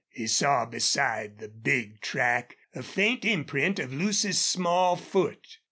He saw beside the big track a faint imprint of Lucy's small foot.